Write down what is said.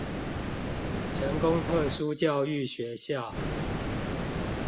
成功特殊教育學校